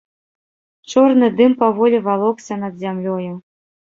Чорны дым паволі валокся над зямлёю.